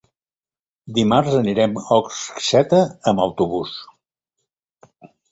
Dimarts anirem a Orxeta amb autobús.